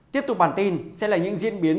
tiếp tục bản tin sẽ là những diễn biến